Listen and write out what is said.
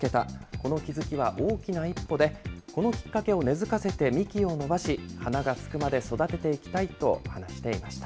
この気付きは大きな一歩で、このきっかけを根づかせて幹を伸ばし、花がつくまで育てていきたいと話していました。